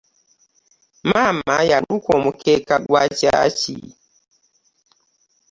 Maama yaluka omukeeka gwa kyaki.